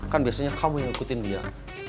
kan biasanya kamu ngikutin dia